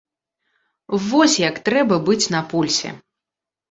Вось як трэба быць на пульсе.